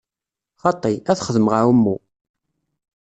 Xaṭi, ad xedmeɣ aɛummu.